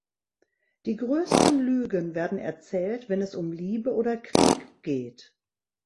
Die größten Lügen werden erzählt, wenn es um Liebe oder Krieg geht.